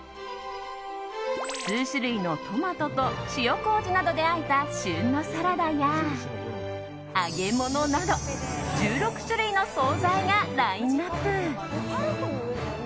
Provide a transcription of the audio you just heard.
数種類のトマトと塩麹などであえた旬のサラダや揚げ物など１６種類の総菜がラインアップ。